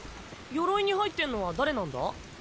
鎧に入ってんのは誰なんだ？